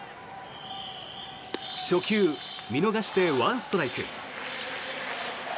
初球、見逃して１ストライク。